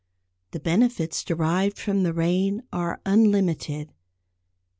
The benefits derived from the rain are unlimited.